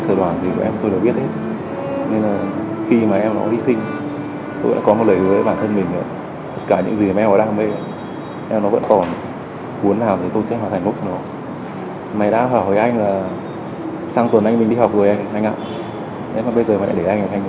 còn đối với gia đình đây là mất mát chẳng thể nguôi ngoai